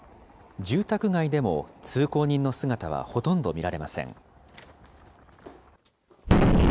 住宅街でも、通行人の姿はほとんど見られません。